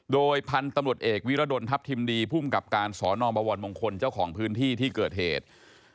โดยพันธุ์ตำรวจเอกวิรดลทัพทิมดีภูมิกับการสอนอบวรมงคลเจ้าของพื้นที่ที่เกิดเหตุ